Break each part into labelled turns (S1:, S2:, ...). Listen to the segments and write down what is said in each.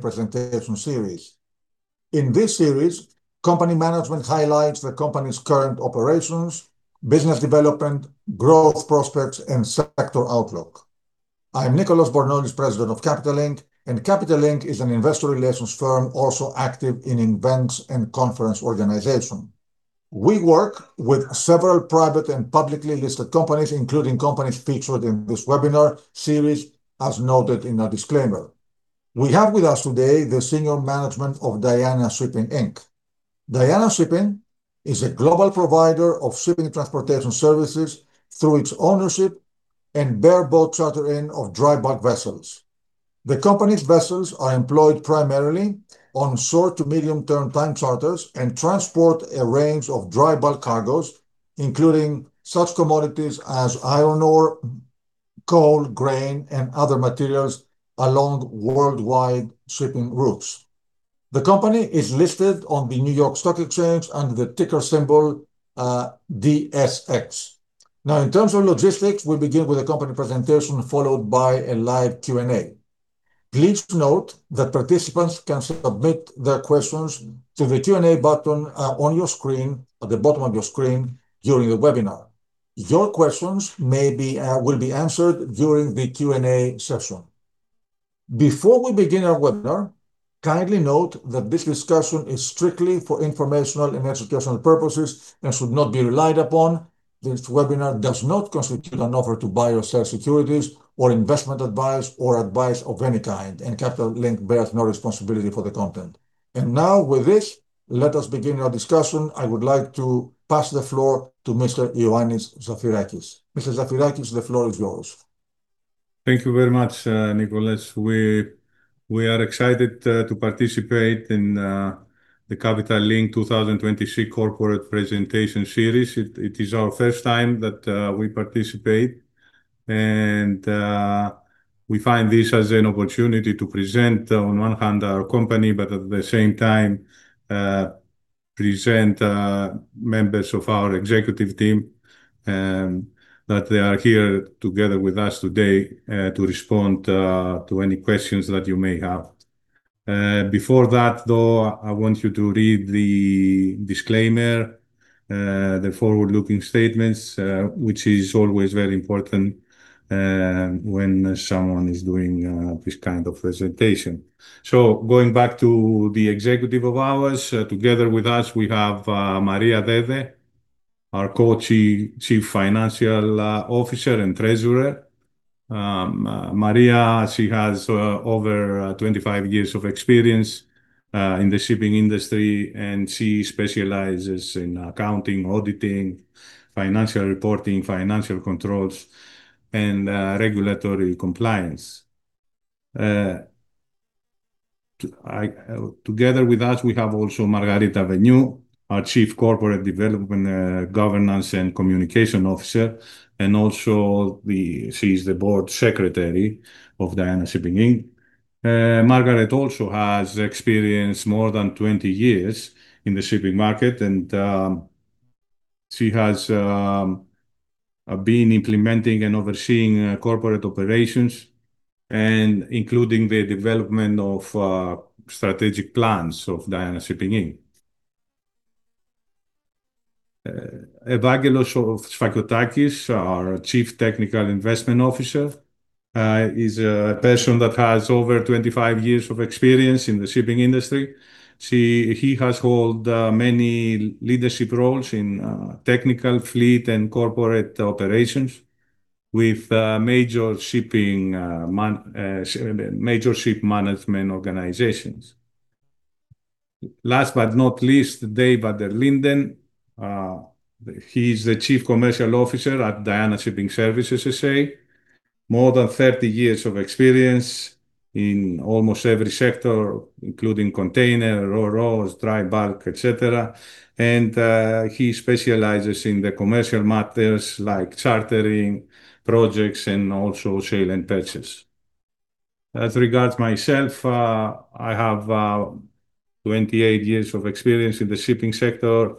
S1: presentation series. In this series, company management highlights the company's current operations, business development, growth prospects, and sector outlook. I'm Nicolas Bornozis, President of Capital Link, and Capital Link is an investor relations firm also active in events and conference organization. We work with several private and publicly listed companies, including companies featured in this webinar series, as noted in our disclaimer. We have with us today the senior management of Diana Shipping Inc. Diana Shipping is a global provider of shipping transportation services through its ownership and bareboat chartering of dry bulk vessels. The company's vessels are employed primarily on short to medium-term time charters and transport a range of dry bulk cargos, including such commodities as iron ore, coal, grain, and other materials along worldwide shipping routes. The company is listed on the New York Stock Exchange under the ticker symbol, DSX. Now, in terms of logistics, we'll begin with a company presentation, followed by a live Q&A. Please note that participants can submit their questions through the Q&A button on your screen, at the bottom of your screen, during the webinar. Your questions will be answered during the Q&A session. Before we begin our webinar, kindly note that this discussion is strictly for informational and educational purposes and should not be relied upon. This webinar does not constitute an offer to buy or sell securities or investment advice or advice of any kind, and Capital Link bears no responsibility for the content. Now, with this, let us begin our discussion. I would like to pass the floor to Mr. Ioannis Zafirakis. Mr. Zafirakis, the floor is yours.
S2: Thank you very much, Nicolas. We are excited to participate in the Capital Link 2023 corporate presentation series. It is our first time that we participate, and we find this as an opportunity to present, on one hand, our company, but at the same time, present members of our executive team that they are here together with us today to respond to any questions that you may have. Before that, though, I want you to read the disclaimer, the forward-looking statements, which is always very important when someone is doing this kind of presentation. Going back to the executive of ours, together with us, we have Maria Dede, our Co-Chief Financial Officer and Treasurer. Maria, she has over 25 years of experience in the shipping industry, and she specializes in accounting, auditing, financial reporting, financial controls, and regulatory compliance. Together with us, we have also Margarita Veniou, our Chief Corporate Development, Governance and Communications Officer, and also, she's the Board Secretary of Diana Shipping Inc. Margarita also has experience more than 20 years in the shipping market, and she has been implementing and overseeing corporate operations and including the development of strategic plans of Diana Shipping Inc. Evangelos Sfakiotakis, our Chief Technical Investment Officer, is a person that has over 25 years of experience in the shipping industry. He has held many leadership roles in technical, fleet, and corporate operations with major ship management organizations. Last but not least, Dave van der Linden. He's the Chief Commercial Officer at Diana Shipping Services S.A. More than 30 years of experience in almost every sector, including container,, dry bulk, et cetera, and he specializes in the commercial matters like chartering, projects, and also sale and purchase. As regards myself, I have 28 years of experience in the shipping sector,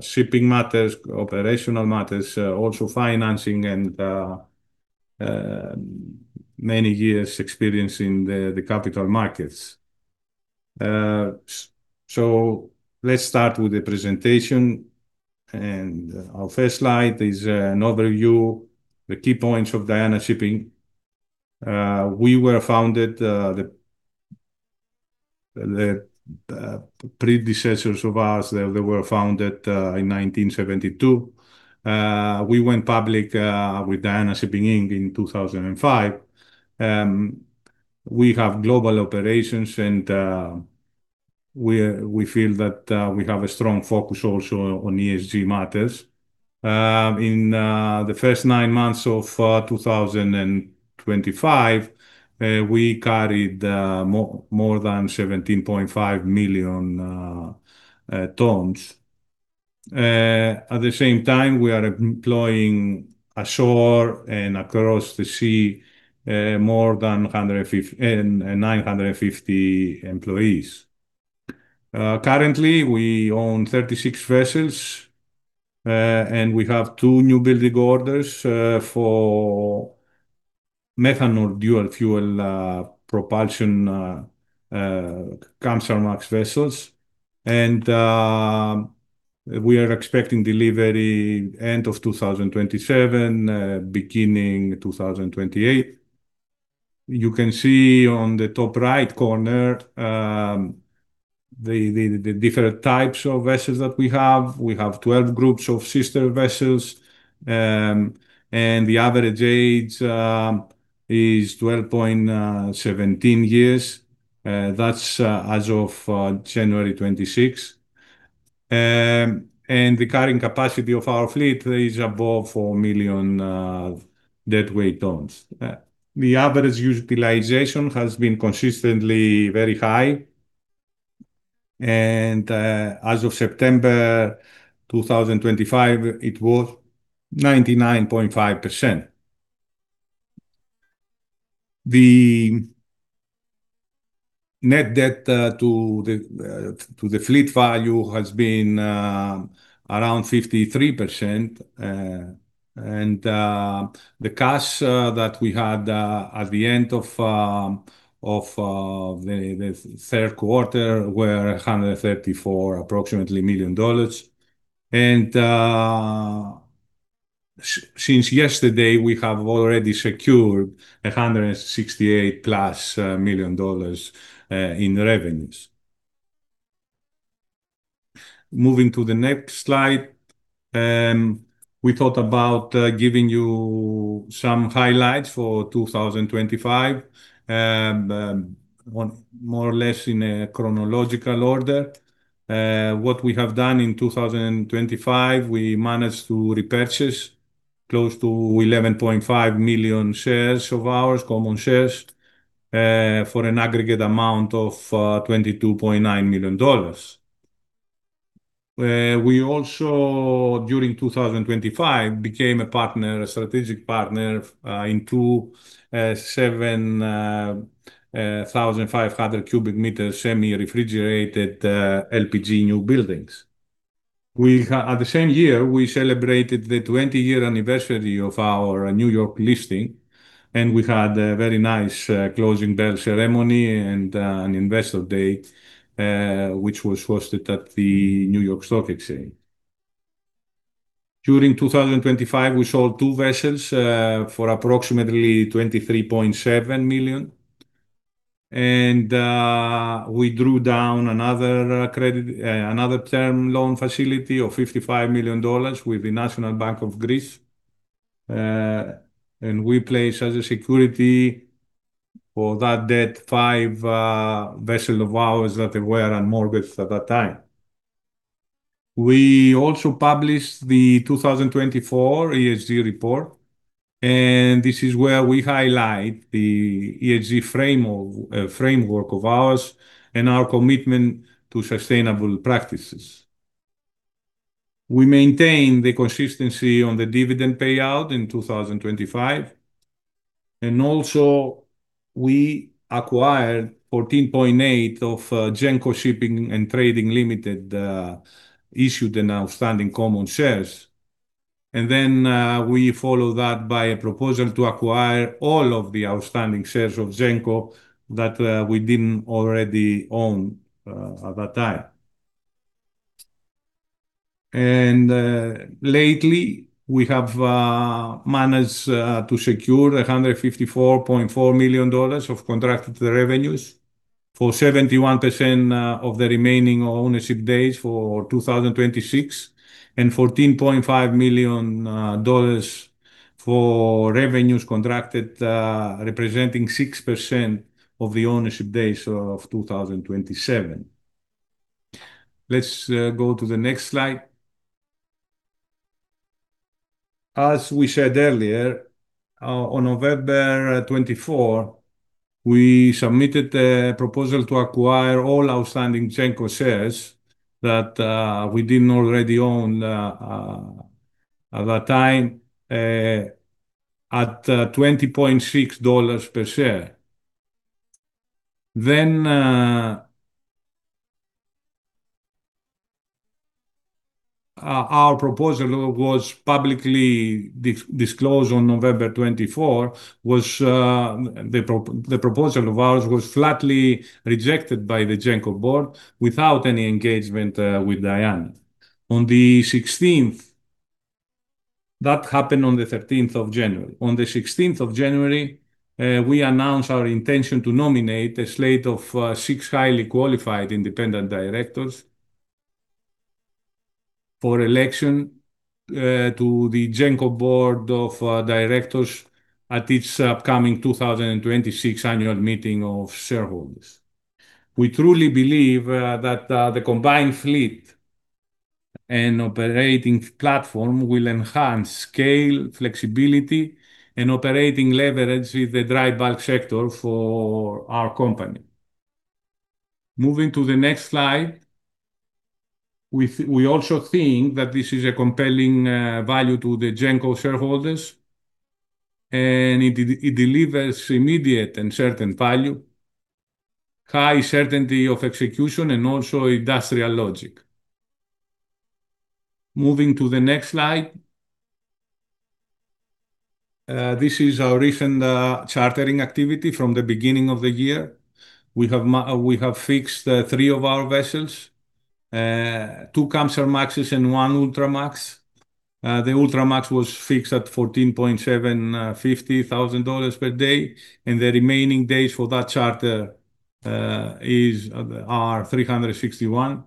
S2: shipping matters, operational matters, also financing and many years experience in the capital markets. So let's start with the presentation, and our first slide is an overview, the key points of Diana Shipping. We were founded, the predecessors of ours, they were founded in 1972. We went public with Diana Shipping Inc. in 2005. We have global operations, and we feel that we have a strong focus also on ESG matters. In the first nine months of 2025, we carried more than 17.5 million tons. At the same time, we are employing ashore and across the sea more than 950 employees. Currently, we own 36 vessels, and we have two new building orders for methanol dual fuel propulsion Kamsarmax vessels. We are expecting delivery end of 2027, beginning 2028. You can see on the top right corner the different types of vessels that we have. We have 12 groups of sister vessels, and the average age is 12.17 years. That's as of January 26, 2026. And the carrying capacity of our fleet is above 4 million deadweight tons. The average utilization has been consistently very high, and as of September 2025, it was 99.5%. The net debt to the fleet value has been around 53%. And the cash that we had at the end of the third quarter were approximately $134 million. And since yesterday, we have already secured $168+ million in revenues. Moving to the next slide, we thought about giving you some highlights for 2025, more or less in a chronological order. What we have done in 2025, we managed to repurchase close to 11.5 million shares of ours, common shares, for an aggregate amount of $22.9 million. We also, during 2025, became a partner, a strategic partner, in 27,500 cubic meters semi-refrigerated LPG new buildings. At the same year, we celebrated the 20-year anniversary of our New York listing, and we had a very nice closing bell ceremony and an investor day, which was hosted at the New York Stock Exchange. During 2025, we sold two vessels for approximately $23.7 million, and we drew down another term loan facility of $55 million with the National Bank of Greece. We placed as a security for that debt five vessels of ours that were on mortgage at that time. We also published the 2024 ESG report, and this is where we highlight the ESG framework of ours and our commitment to sustainable practices. We maintained the consistency on the dividend payout in 2025, and also we acquired 14.8 of Genco Shipping & Trading Limited issued and outstanding common shares. And then, we followed that by a proposal to acquire all of the outstanding shares of Genco that we didn't already own at that time. And lately, we have managed to secure $154.4 million of contracted revenues for 71% of the remaining ownership days for 2026, and $14.5 million for revenues contracted, representing 6% of the ownership days of 2027. Let's go to the next slide. As we said earlier, on November 24, we submitted a proposal to acquire all outstanding Genco shares that we didn't already own at that time at $20.6 per share. Then... Our proposal was publicly disclosed on November 24, the proposal of ours was flatly rejected by the Genco board without any engagement with Diana. On the sixteenth, that happened on the 13th of January. On the 16th of January, we announced our intention to nominate a slate of six highly qualified independent directors for election to the Genco board of directors at its upcoming 2026 annual meeting of shareholders. We truly believe that the combined fleet and operating platform will enhance scale, flexibility, and operating leverage with the dry bulk sector for our company. Moving to the next slide. We also think that this is a compelling value to the Genco shareholders, and it delivers immediate and certain value, high certainty of execution, and also industrial logic. Moving to the next slide. This is our recent chartering activity from the beginning of the year. We have fixed three of our vessels, two Kamsarmaxes and one Ultramax. The Ultramax was fixed at $14,750 per day, and the remaining days for that charter are 361.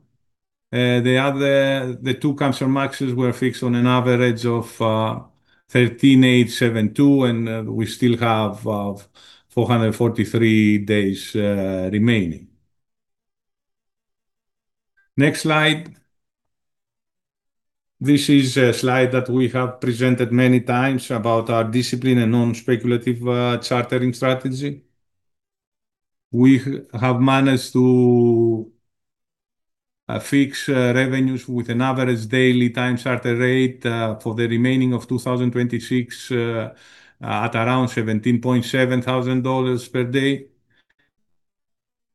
S2: The two Kamsarmaxes were fixed on an average of $13,872, and we still have 443 days remaining. Next slide. This is a slide that we have presented many times about our discipline and non-speculative chartering strategy. We have managed to fix revenues with an average daily time charter rate for the remaining of 2026 at around $17,700 per day.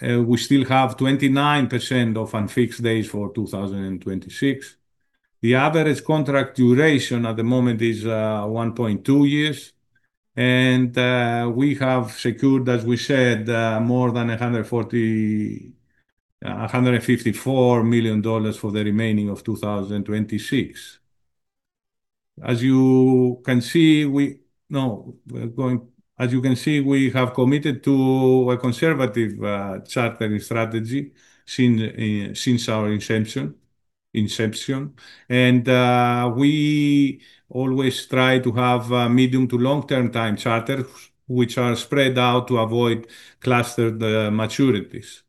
S2: We still have 29% of unfixed days for 2026. The average contract duration at the moment is 1.2 years, and we have secured, as we said, more than 140... $154 million for the remaining of 2026. As you can see, we have committed to a conservative chartering strategy since our inception, and we always try to have medium to long-term time charters, which are spread out to avoid clustered maturities.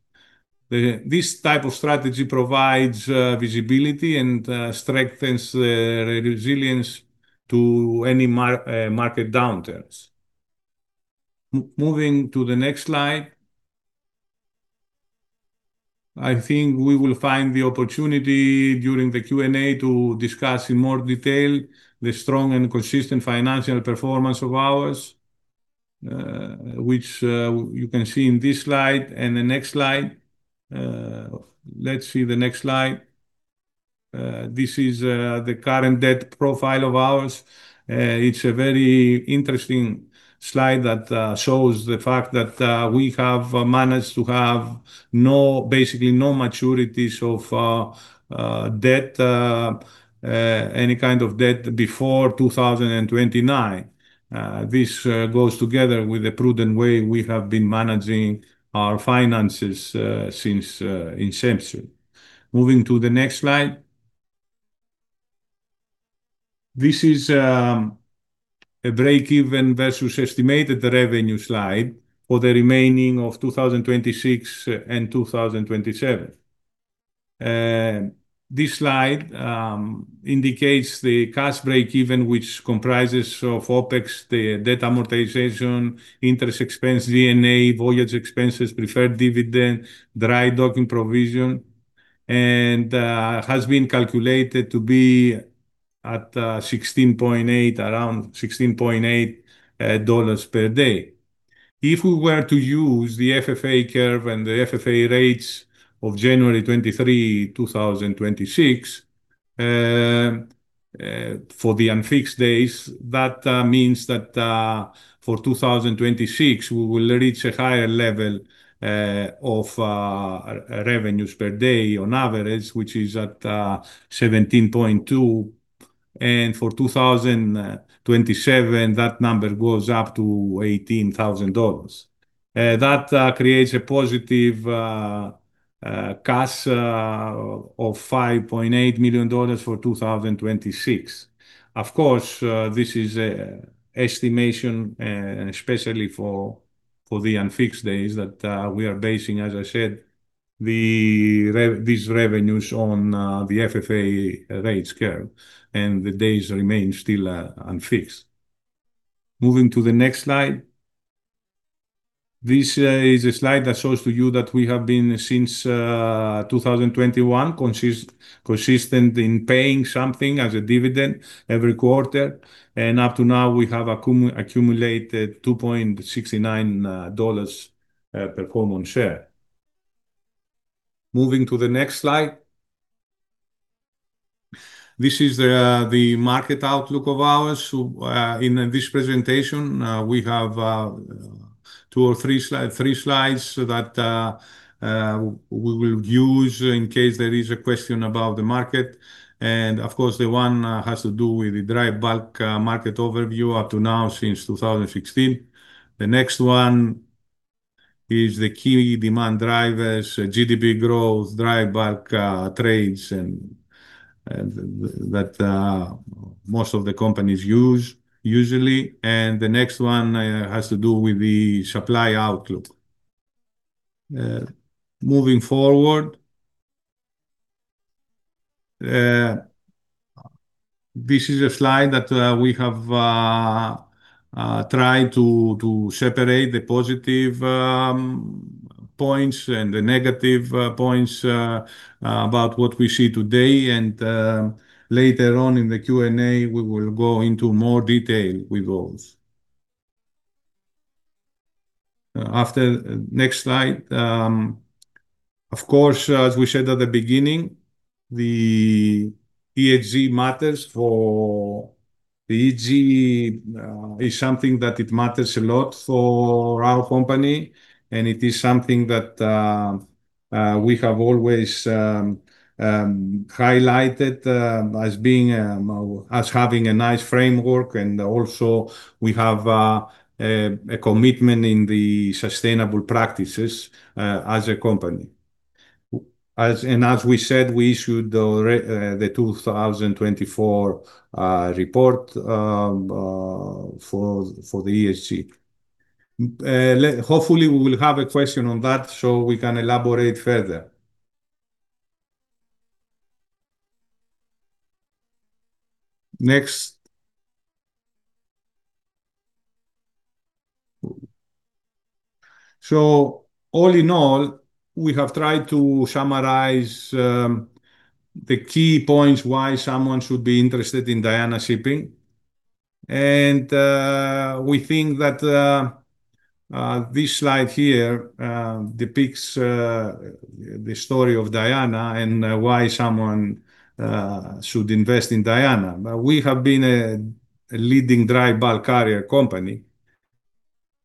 S2: This type of strategy provides visibility and strengthens the resilience to any market downturns. Moving to the next slide. I think we will find the opportunity during the Q&A to discuss in more detail the strong and consistent financial performance of ours, which you can see in this slide and the next slide. Let's see the next slide. This is the current debt profile of ours. It's a very interesting slide that shows the fact that we have managed to have no, basically no maturities of debt, any kind of debt before 2029. This goes together with the prudent way we have been managing our finances since inception. Moving to the next slide. This is a break-even versus estimated revenue slide for the remaining of 2026 and 2027. This slide indicates the cash break-even, which comprises of OpEx, the debt amortization, interest expense, D&A, voyage expenses, preferred dividend, dry docking provision, and has been calculated to be at $16,800, around $16,800, dollars per day. If we were to use the FFA curve and the FFA rates of January 23, 2026, for the unfixed days, that means that for 2026, we will reach a higher level of revenues per day on average, which is at $17,200, and for 2027, that number goes up to $18,000. That creates a positive cost of $5.8 million for 2026. Of course, this is an estimation, and especially for the unfixed days, that we are basing, as I said, these revenues on the FFA rates curve, and the days remain still unfixed. Moving to the next slide. This is a slide that shows to you that we have been, since 2021, consistent in paying something as a dividend every quarter, and up to now, we have accumulated $2.69 per common share. Moving to the next slide. This is the market outlook of ours. So, in this presentation, we have two or three slides that we will use in case there is a question about the market. And of course, the one has to do with the dry bulk market overview up to now, since 2016. The next one is the key demand drivers, GDP growth, dry bulk trades, and that most of the companies use usually, and the next one has to do with the supply outlook moving forward. This is a slide that we have tried to separate the positive points and the negative points about what we see today, and later on in the Q&A, we will go into more detail with those. After, next slide. Of course, as we said at the beginning, the ESG matters for the ESG is something that it matters a lot for our company, and it is something that we have always highlighted as being as having a nice framework. And also we have a commitment in the sustainable practices as a company. As we said, we issued the 2024 report for the ESG. Hopefully, we will have a question on that so we can elaborate further. Next. So all in all, we have tried to summarize the key points why someone should be interested in Diana Shipping. And we think that this slide here depicts the story of Diana and why someone should invest in Diana. But we have been a leading dry bulk carrier company,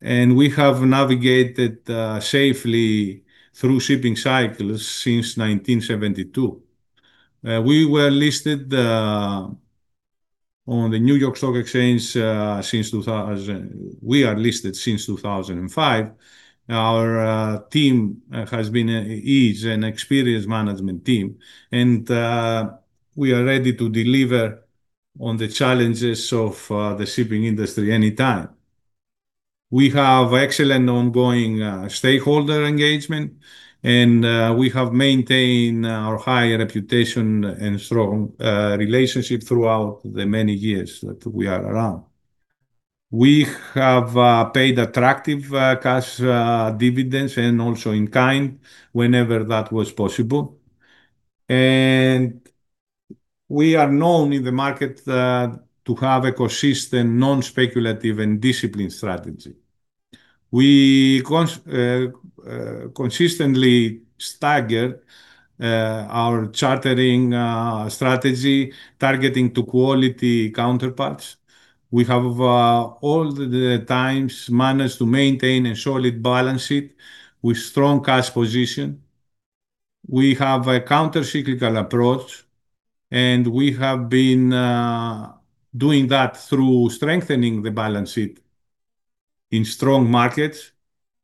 S2: and we have navigated safely through shipping cycles since 1972. We were listed on the New York Stock Exchange since 2000... We are listed since 2005. Our team has been, is an experienced management team, and we are ready to deliver on the challenges of the shipping industry anytime. We have excellent ongoing stakeholder engagement, and we have maintained our high reputation and strong relationship throughout the many years that we are around. We have paid attractive cash dividends, and also in kind, whenever that was possible. And we are known in the market to have a consistent, non-speculative, and disciplined strategy. We consistently stagger our chartering strategy, targeting to quality counterparts. We have all the times managed to maintain a solid balance sheet with strong cash position. We have a countercyclical approach, and we have been doing that through strengthening the balance sheet in strong markets,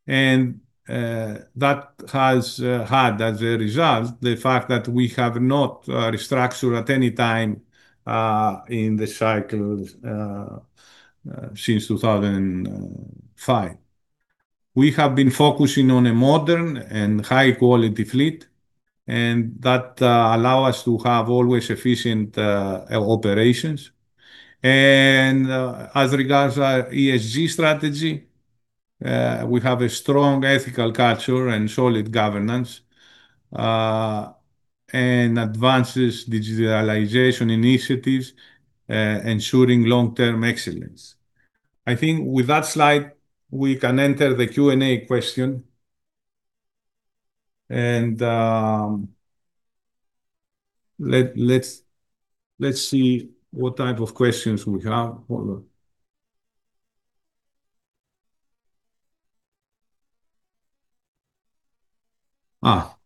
S2: and that has had as a result the fact that we have not restructured at any time in the cycles since 2005. We have been focusing on a modern and high-quality fleet, and that allow us to have always efficient operations. As regards our ESG strategy, we have a strong ethical culture and solid governance and advances digitalization initiatives ensuring long-term excellence. I think with that slide, we can enter the Q&A question. And let's see what type of questions we have. Hold on. Ah,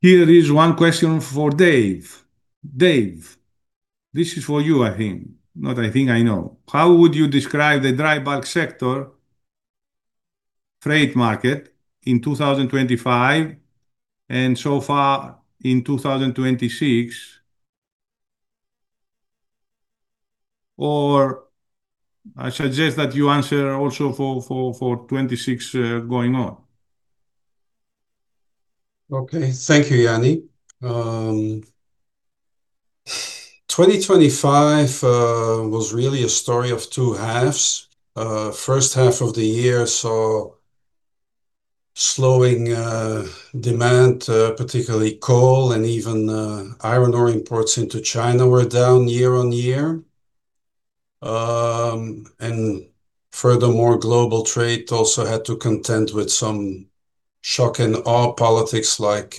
S2: here is one question for Dave. Dave, this is for you, I think. Not I think, I know. How would you describe the dry bulk sector trade market in 2025 and so far in 2026? Or I suggest that you answer also for 26, going on.
S3: Okay. Thank you, Yanni. 2025 was really a story of two halves. First half of the year saw slowing demand, particularly coal, and even iron ore imports into China were down year-on-year. And furthermore, global trade also had to contend with some shock and awe politics like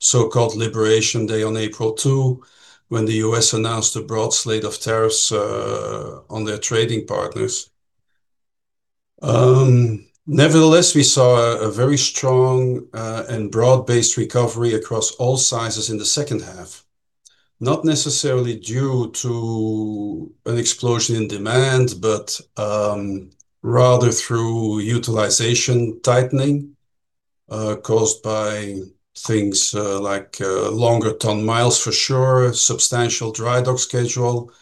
S3: so-called Liberation Day on April 2, when the U.S. announced a broad slate of tariffs on their trading partners. Nevertheless, we saw a very strong and broad-based recovery across all sizes in the second half, not necessarily due to an explosion in demand, but rather through utilization tightening caused by things like longer ton-miles, for sure, substantial dry-dock schedule,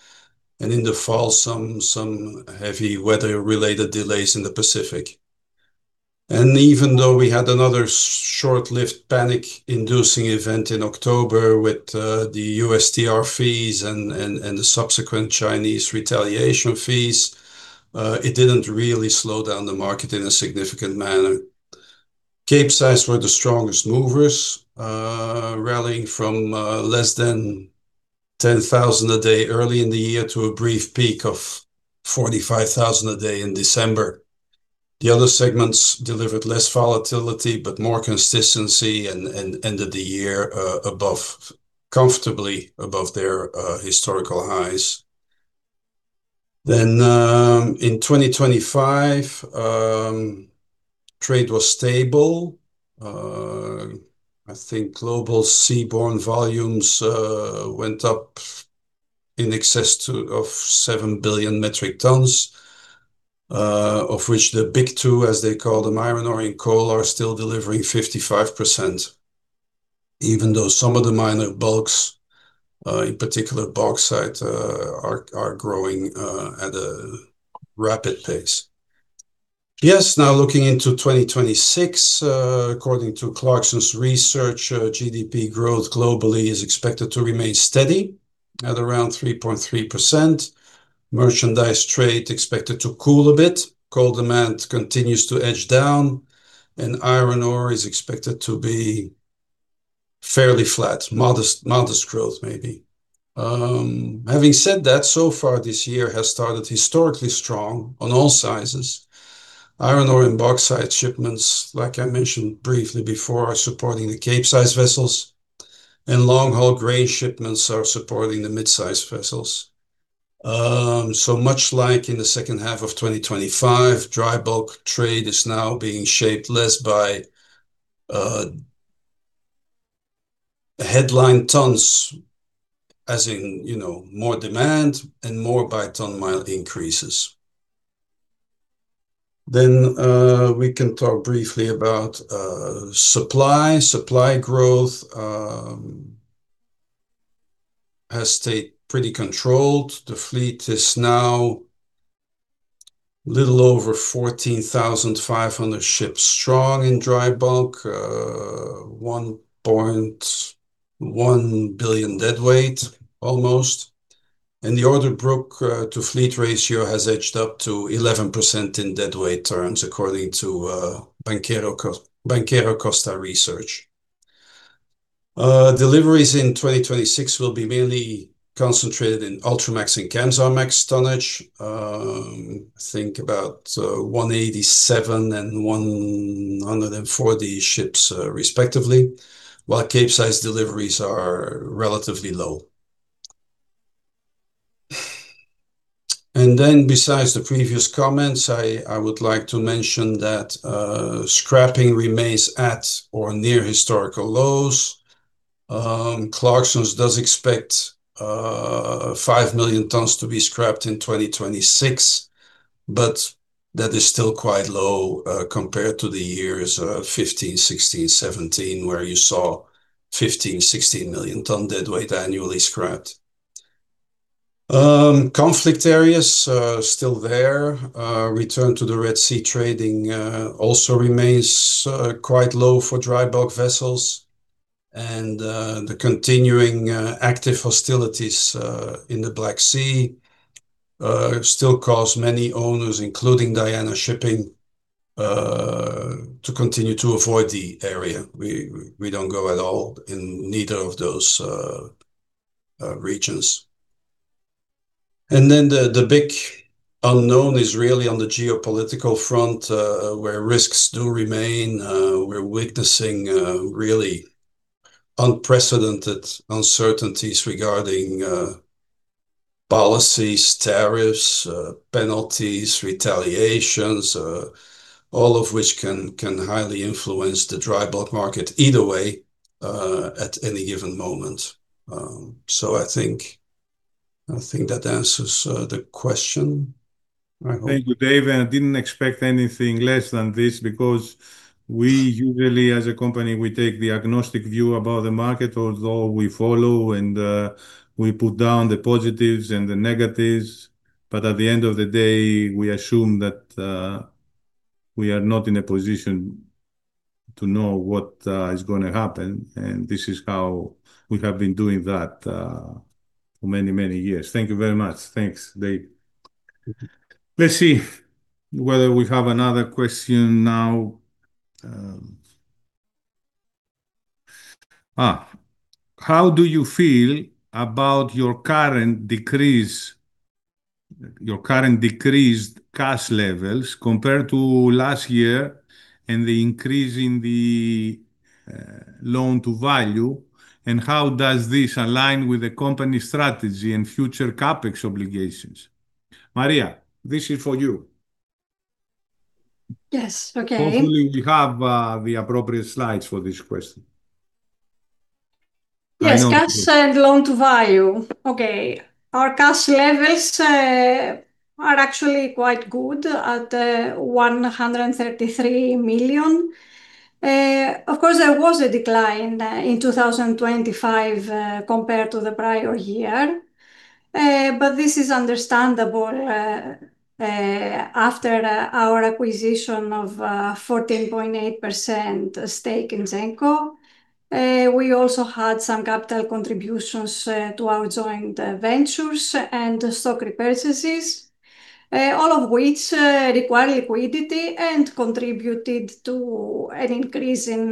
S3: and in the fall, some heavy weather-related delays in the Pacific.... and even though we had another short-lived panic-inducing event in October with the USTR fees and the subsequent Chinese retaliation fees, it didn't really slow down the market in a significant manner. Capesize were the strongest movers, rallying from less than $10,000 a day early in the year to a brief peak of $45,000 a day in December. The other segments delivered less volatility, but more consistency, and ended the year comfortably above their historical highs. Then, in 2025, trade was stable. I think global seaborne volumes went up in excess of 7 billion metric tons, of which the big two, as they call them, iron ore and coal, are still delivering 55%, even though some of the minor bulks, in particular, bauxite, are growing at a rapid pace. Yes, now looking into 2026, according to Clarksons Research, GDP growth globally is expected to remain steady at around 3.3%. Merchandise trade expected to cool a bit. Coal demand continues to edge down, and iron ore is expected to be fairly flat, modest, modest growth maybe. Having said that, so far this year has started historically strong on all sizes. Iron ore and bauxite shipments, like I mentioned briefly before, are supporting the Capesize vessels, and long-haul grain shipments are supporting the mid-size vessels. So much like in the second half of 2025, dry bulk trade is now being shaped less by, headline tons, as in, you know, more demand and more by ton-mile increases. Then, we can talk briefly about, supply. Supply growth, has stayed pretty controlled. The fleet is now little over 14,500 ships strong in dry bulk, 1.1 billion deadweight almost, and the order book to fleet ratio has edged up to 11% in deadweight terms, according to Banchero Costa Research. Deliveries in 2026 will be mainly concentrated in Ultramax and Kamsarmax tonnage. Think about 187 and 140 ships, respectively, while Capesize deliveries are relatively low. Besides the previous comments, I would like to mention that scrapping remains at or near historical lows. Clarksons does expect 5 million tons to be scrapped in 2026, but that is still quite low, compared to the years 2015, 2016, 2017, where you saw 15, 16 million ton deadweight annually scrapped. Conflict areas still there. Return to the Red Sea trading also remains quite low for dry bulk vessels. The continuing active hostilities in the Black Sea still cause many owners, including Diana Shipping, to continue to avoid the area. We don't go at all in neither of those regions. Then the big unknown is really on the geopolitical front, where risks do remain. We're witnessing really unprecedented uncertainties regarding policies, tariffs, penalties, retaliations, all of which can highly influence the dry bulk market either way at any given moment. So I think that answers the question. I hope-
S2: Thank you, Dave, and I didn't expect anything less than this because we usually, as a company, we take the agnostic view about the market, although we follow and we put down the positives and the negatives. But at the end of the day, we assume that we are not in a position to know what is gonna happen, and this is how we have been doing that for many, many years. Thank you very much. Thanks, Dave. Let's see whether we have another question now. How do you feel about your current decreased cash levels compared to last year and the increase in the loan-to-value, and how does this align with the company's strategy and future CapEx obligations? Maria, this is for you.
S4: Yes, okay.
S2: Hopefully, we have the appropriate slides for this question. I know-
S4: Yes, cash and loan-to-value. Okay, our cash levels are actually quite good at $133 million. Of course, there was a decline in 2025 compared to the prior year. But this is understandable after our acquisition of 14.8% stake in Genco. We also had some capital contributions to our joint ventures and stock repurchases, all of which require liquidity and contributed to an increase in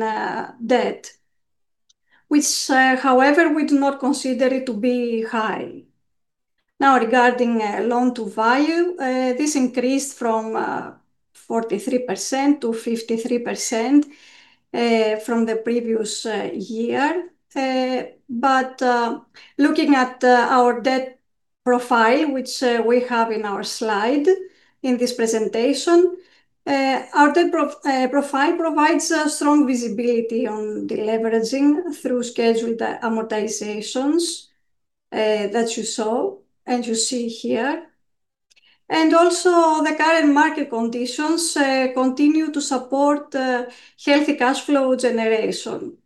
S4: debt, which, however, we do not consider it to be high. Now, regarding loan-to-value, this increased from 43% to 53% from the previous year. But looking at our debt profile, which we have in our slide in this presentation, our debt profile provides a strong visibility on deleveraging through scheduled amortizations that you saw and you see here. Also, the current market conditions continue to support healthy cash flow generation.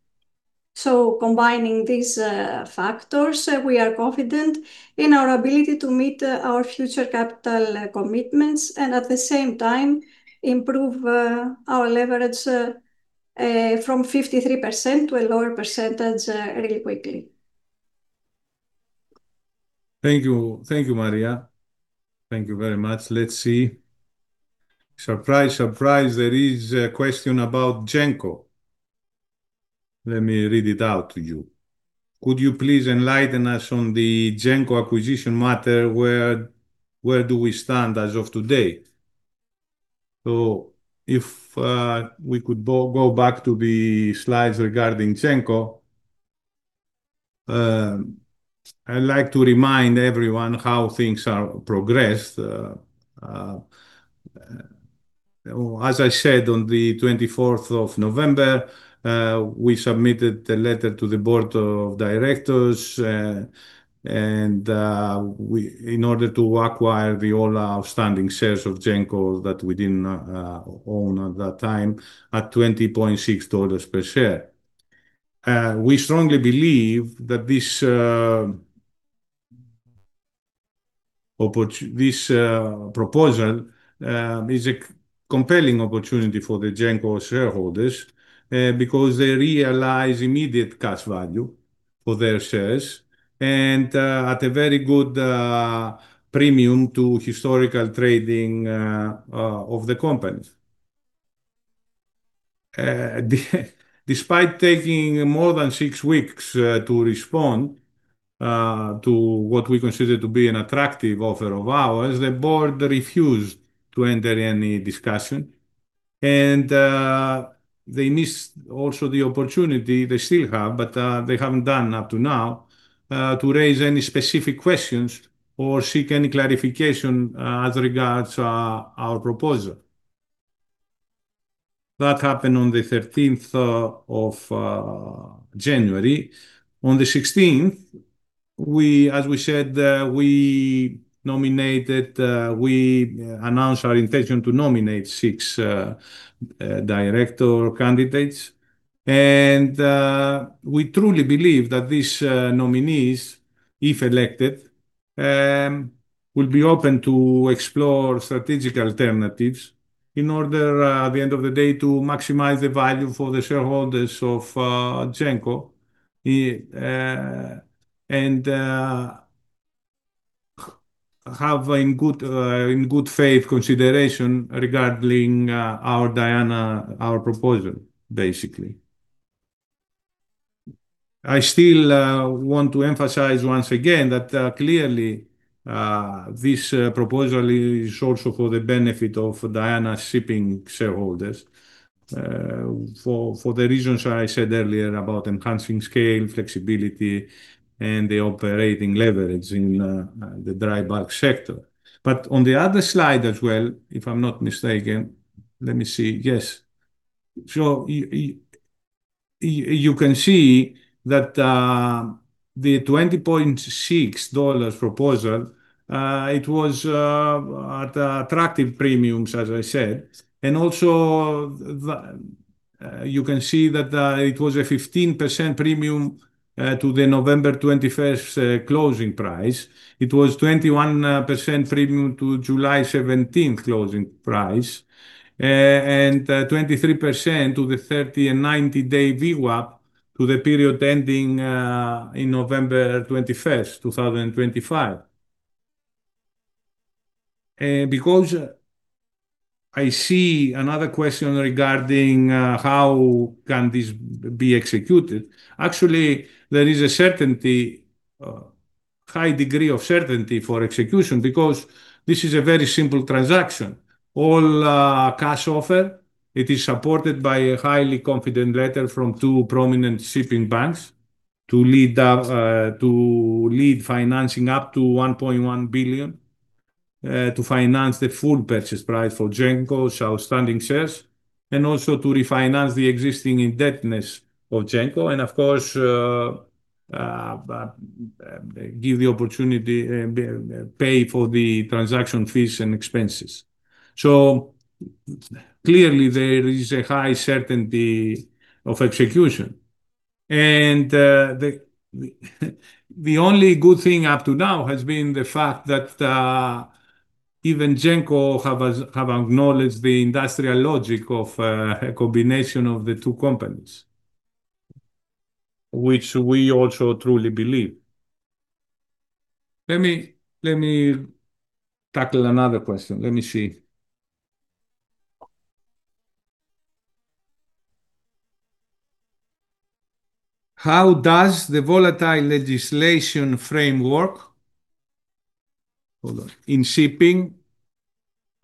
S4: Combining these factors, we are confident in our ability to meet our future capital commitments and at the same time, improve our leverage from 53% to a lower percentage really quickly.
S2: Thank you. Thank you, Maria. Thank you very much. Let's see. Surprise, surprise, there is a question about Genco. Let me read it out to you. Could you please enlighten us on the Genco acquisition matter, where do we stand as of today? So if we could go back to the slides regarding Genco, I'd like to remind everyone how things are progressed. As I said, on the twenty-fourth of November, we submitted a letter to the board of directors, and in order to acquire all the outstanding shares of Genco that we didn't own at that time, at $20.6 per share. We strongly believe that this opport... This proposal is a compelling opportunity for the Genco shareholders because they realize immediate cash value for their shares and at a very good premium to historical trading of the company. Despite taking more than six weeks to respond to what we consider to be an attractive offer of ours, the board refused to enter any discussion, and they missed also the opportunity they still have, but they haven't done up to now to raise any specific questions or seek any clarification as regards to our proposal. That happened on the thirteenth of January. On the 16th, we, as we said, we nominated, we announced our intention to nominate 6 director candidates, and we truly believe that these nominees, if elected, will be open to explore strategic alternatives in order, at the end of the day, to maximize the value for the shareholders of Genco, and have in good faith consideration regarding our Diana, our proposal, basically. I still want to emphasize once again that clearly this proposal is also for the benefit of Diana Shipping shareholders, for the reasons I said earlier about enhancing scale, flexibility, and the operating leverage in the dry bulk sector. But on the other slide as well, if I'm not mistaken, let me see. Yes. So you can see that, the $20.6 proposal, it was at attractive premiums, as I said. And also, you can see that, it was a 15% premium to the November twenty-first closing price. It was 21% premium to July seventeenth closing price, and 23% to the 30- and 90-day VWAP to the period ending in November twenty-first, 2025. Because I see another question regarding how can this be executed? Actually, there is a high degree of certainty for execution because this is a very simple transaction. All-cash offer, it is supported by a highly confident letter from two prominent shipping banks to lead up, to lead financing up to $1.1 billion, to finance the full purchase price for Genco's outstanding shares, and also to refinance the existing indebtedness of Genco. And of course, give the opportunity and, pay for the transaction fees and expenses. So clearly, there is a high certainty of execution, and, the only good thing up to now has been the fact that, even Genco have acknowledged the industrial logic of, a combination of the two companies, which we also truly believe. Let me, let me tackle another question. Let me see. How does the volatile legislation framework, hold on, in shipping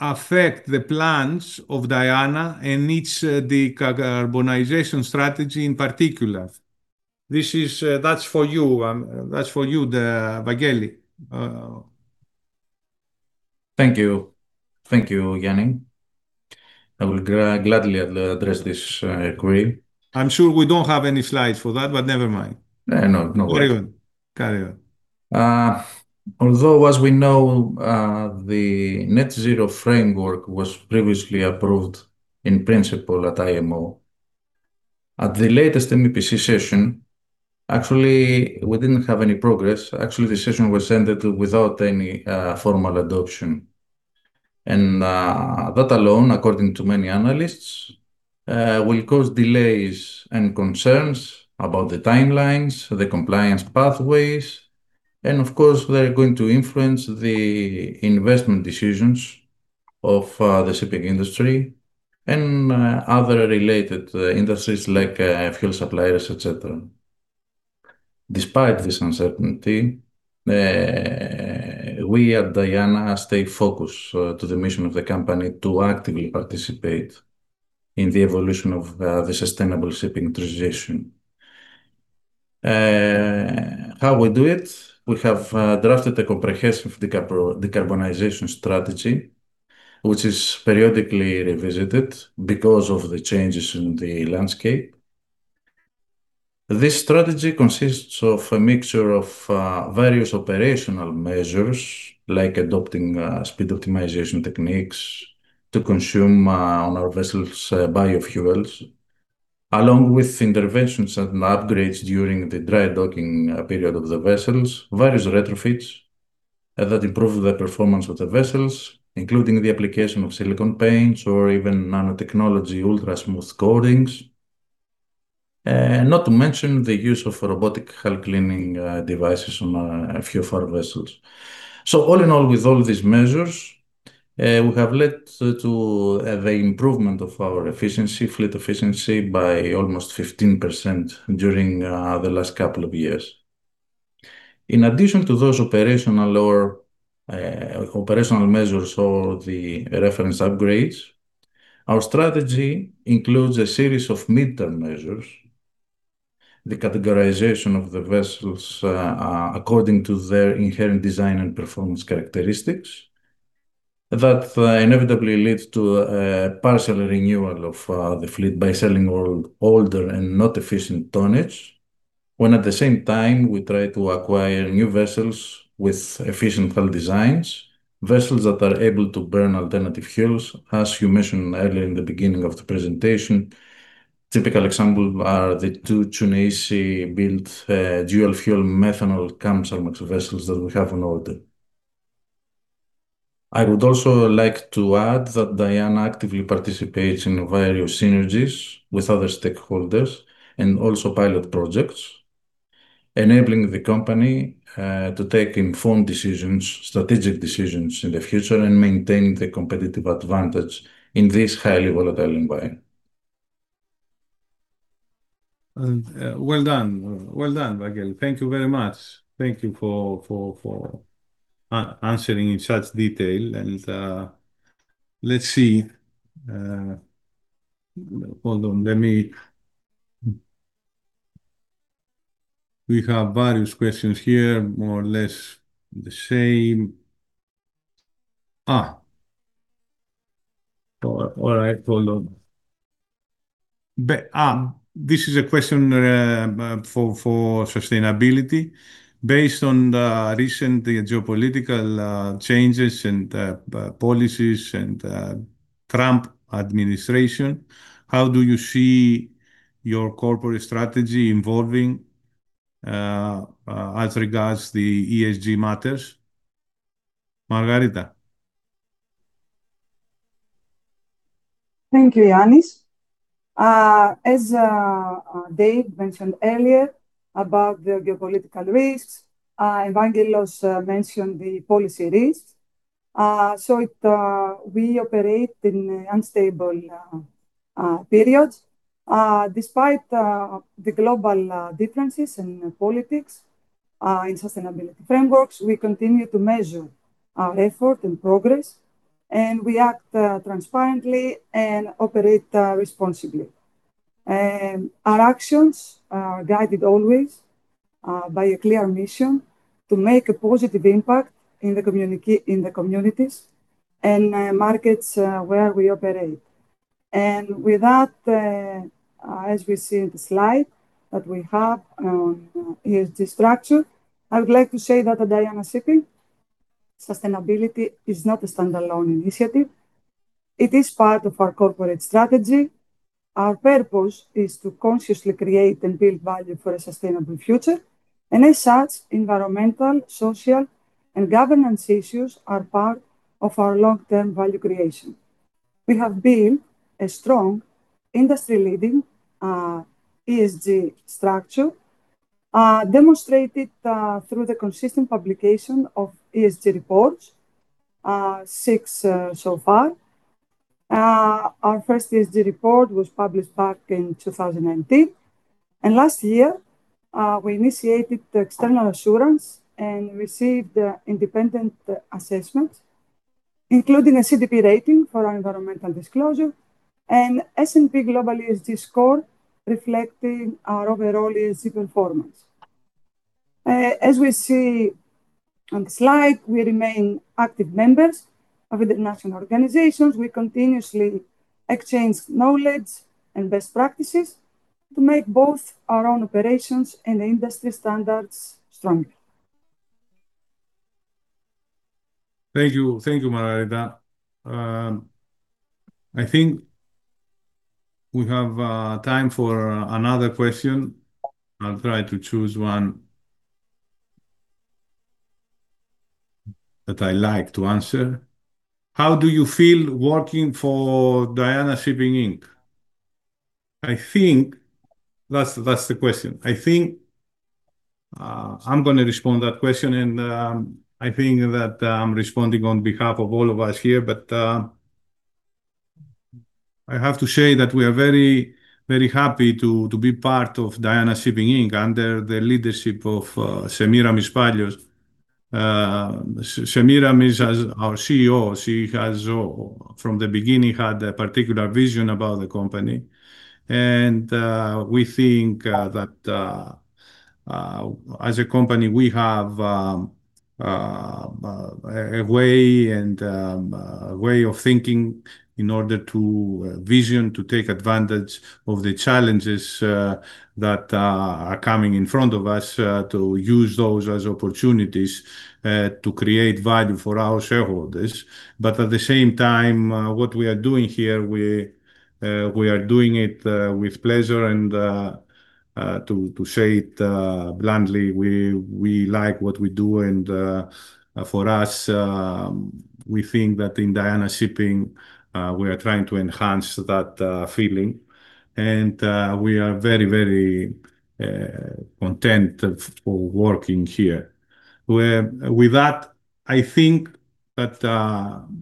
S2: affect the plans of Diana and its, decarbonization strategy in particular? That's for you, Vangeli.
S5: Thank you. Thank you, Yanni. I will gladly address this query.
S2: I'm sure we don't have any slides for that, but never mind.
S5: No, no worry.
S2: Go ahead. Carry on.
S5: Although, as we know, the net zero framework was previously approved in principle at IMO. At the latest MEPC session, actually, we didn't have any progress. Actually, the session was ended without any formal adoption. That alone, according to many analysts, will cause delays and concerns about the timelines, the compliance pathways, and of course, they're going to influence the investment decisions of the shipping industry and other related industries like fuel suppliers, et cetera. Despite this uncertainty, we at Diana stay focused to the mission of the company, to actively participate in the evolution of the sustainable shipping transition. How we do it? We have drafted a comprehensive decarbonization strategy, which is periodically revisited because of the changes in the landscape. This strategy consists of a mixture of various operational measures, like adopting speed optimization techniques to consume biofuels on our vessels, along with interventions and upgrades during the dry docking period of the vessels. Various retrofits that improve the performance of the vessels, including the application of silicone paints or even nanotechnology ultra-smooth coatings, not to mention the use of robotic hull cleaning devices on a few of our vessels. So all in all, with all these measures, we have led to the improvement of our fleet efficiency by almost 15% during the last couple of years. In addition to those operational or operational measures or the reference upgrades, our strategy includes a series of midterm measures: the categorization of the vessels according to their inherent design and performance characteristics, that inevitably leads to a partial renewal of the fleet by selling old, older, and not efficient tonnage. When at the same time, we try to acquire new vessels with efficient hull designs, vessels that are able to burn alternative fuels, as you mentioned earlier in the beginning of the presentation. Typical example are the two Tsuneishi-built dual-fuel methanol chemical vessels that we have on order. I would also like to add that Diana actively participates in various synergies with other stakeholders, and also pilot projects, enabling the company to take informed decisions, strategic decisions in the future, and maintain the competitive advantage in this highly volatile environment.
S2: And, well done. Well done, Vangel. Thank you very much. Thank you for answering in such detail, and, let's see. Hold on, let me... We have various questions here, more or less the same. Ah! Alright, hold on. This is a question for sustainability. Based on the recent geopolitical changes and policies and Trump administration, how do you see your corporate strategy involving as regards the ESG matters? Margarita?
S6: Thank you, Yannis. As Dave mentioned earlier about the geopolitical risks, Evangelos mentioned the policy risks. So we operate in unstable periods. Despite the global differences in politics and sustainability frameworks, we continue to measure our effort and progress, and we act transparently and operate responsibly. Our actions are guided always by a clear mission to make a positive impact in the communities and markets where we operate. And with that, as we see in the slide that we have on ESG structure, I would like to say that at Diana Shipping, sustainability is not a standalone initiative. It is part of our corporate strategy. Our purpose is to consciously create and build value for a sustainable future, and as such, environmental, social, and governance issues are part of our long-term value creation. We have built a strong industry-leading ESG structure, demonstrated through the consistent publication of ESG reports, six so far. Our first ESG report was published back in 2019, and last year, we initiated the external assurance and received independent assessments, including a CDP rating for our environmental disclosure and S&P Global ESG score, reflecting our overall ESG performance. As we see on the slide, we remain active members of international organizations. We continuously exchange knowledge and best practices to make both our own operations and industry standards stronger.
S2: Thank you. Thank you, Marietta. I think we have time for another question. I'll try to choose one that I like to answer. How do you feel working for Diana Shipping Inc? I think that's, that's the question. I think I'm gonna respond that question, and I think that I'm responding on behalf of all of us here, but I have to say that we are very, very happy to be part of Diana Shipping Inc. under the leadership of Semiramis Paliou. Semiramis, as our CEO, she has from the beginning had a particular vision about the company and we think that as a company we have a way and a way of thinking in order to vision to take advantage of the challenges that are coming in front of us to use those as opportunities to create value for our shareholders. But at the same time what we are doing here we are doing it with pleasure and to say it bluntly we like what we do and for us we think that in Diana Shipping we are trying to enhance that feeling and we are very very content of working here. With that, I think that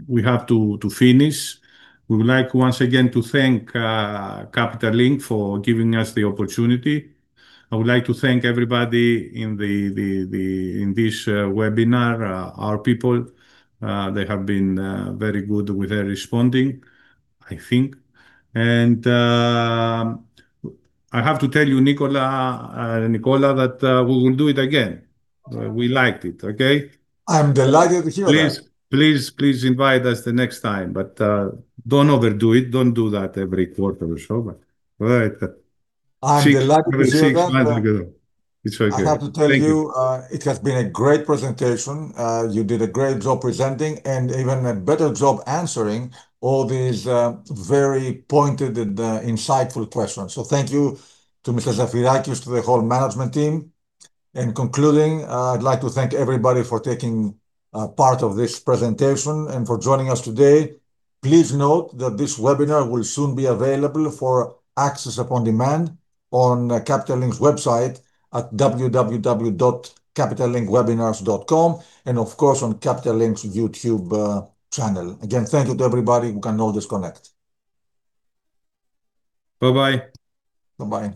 S2: we have to finish. We would like once again to thank Capital Link for giving us the opportunity. I would like to thank everybody in this webinar, our people, they have been very good with their responding, I think. And I have to tell you, Nicola, that we will do it again. We liked it, okay?
S1: I'm delighted to hear that.
S2: Please, please, please invite us the next time, but, don't overdo it. Don't do that every quarter or so, but all right,
S1: I'm delighted to hear that.
S2: It's very good.
S1: I have to tell you-
S2: Thank you...
S1: it has been a great presentation. You did a great job presenting and even a better job answering all these very pointed and insightful questions. So thank you to Mr. Zafirakis, to the whole management team. And concluding, I'd like to thank everybody for taking part of this presentation and for joining us today. Please note that this webinar will soon be available for access upon demand on Capital Link's website at www.capitallinkwebinars.com, and of course, on Capital Link's YouTube channel. Again, thank you to everybody. You can now disconnect.
S2: Bye-bye.
S1: Bye-bye.